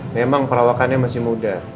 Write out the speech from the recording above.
memang perawakannya masih muda